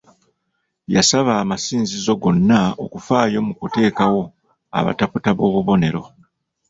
Yasaba amasinzizo gonna okufaayo mu kuteekawo abataputa ab'obubonero.